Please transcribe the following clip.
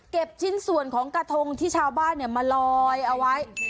ชิ้นส่วนของกระทงที่ชาวบ้านมาลอยเอาไว้